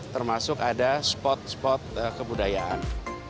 termasuk ada spot spot kebudayaan